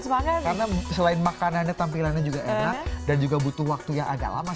semangat karena selain makanannya tampilannya juga enak dan juga butuh waktunya agak lama